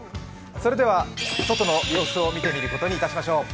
それでは外の様子を見てみることにしましょう。